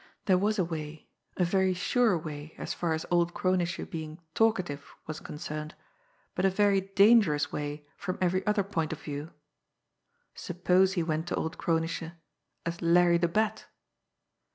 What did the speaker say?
There was a way, a very sure way as far as old Kronische being "talkative" was concerned, but a very dangerous way from every other point of view. Suppose he went to old Kronische as Larry the Bat!